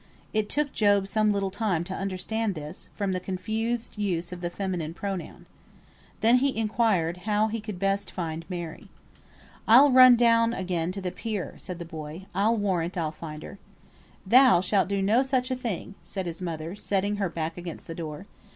It took Job some little time to understand this, from the confused use of the feminine pronoun. Then he inquired how he could best find Mary. "I'll run down again to the pier," said the boy; "I'll warrant I'll find her." "Thou shalt do no such a thing," said his mother, setting her back against the door.